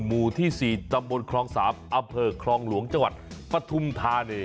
หมู่ที่สี่จังบุญครองสามอาเภอครองหลวงจังหวัดปทุมธาเนย์